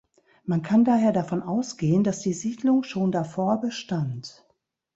Man kann daher davon ausgehen, dass die Siedlung schon davor bestand.